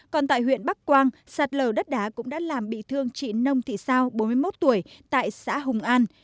còn tại huyện bắc quang sạt lở đất đá cũng đã làm bị thương chị nông thị sao bốn mươi một tuổi tại xã hùng an